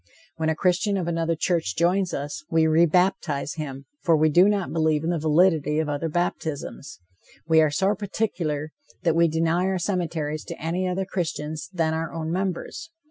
When a Christian of another church joins us, we re baptize him, for we do not believe in the validity of other baptisms. We are so particular that we deny our cemeteries to any other Christians than our own members.